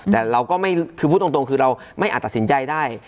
แต่พูดตรงคือเราไม่อาจตัดสินใจได้